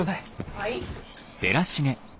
はい。